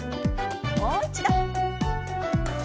もう一度。